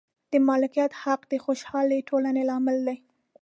د مالکیت حق د خوشحالې ټولنې لامل دی.